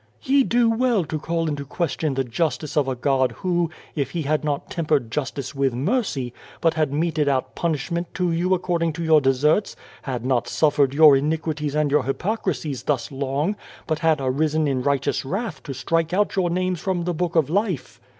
" Ye do well to call into question the justice of a God who, if He had not tempered justice with mercy, but had meted out punishment to you according to your deserts, had not suffered your iniquities and your hypocrisies thus long, but had arisen in righteous wrath to strike out your names from the Book of Life.